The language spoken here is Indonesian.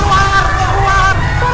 tidak keluar rin